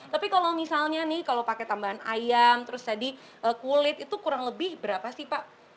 tapi kalau misalnya nih kalau pakai tambahan ayam terus tadi kulit itu kurang lebih berapa sih pak